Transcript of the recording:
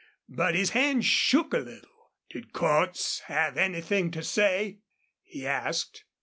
But his hand shook a little. "Did Cordts have anythin' to say?" he asked.